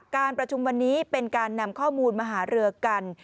การประชุมวันนี้เป็นการนำข้อมูลมาหารือกัน